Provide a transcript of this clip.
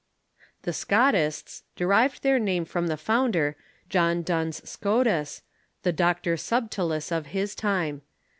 The Scotists derived their name from the founder, John Duns Scotus, the " Doctor Subtilis " of his time.